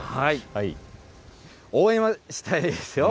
応援はしたいですよ。